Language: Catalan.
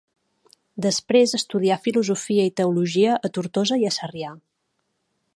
Després estudià filosofia i teologia a Tortosa i a Sarrià.